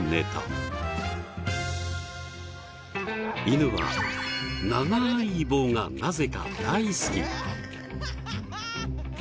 犬は長い棒がなぜか大好き。